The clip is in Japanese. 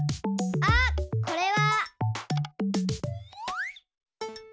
あっこれは。